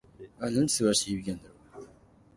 ああ、なんて素晴らしい響きなんだろう。